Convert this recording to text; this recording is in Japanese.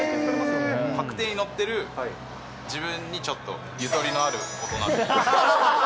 各停に乗ってる自分にちょっと、ゆとりのある大人。